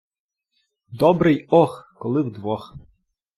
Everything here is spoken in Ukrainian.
Добре й «ох», коли вдвох.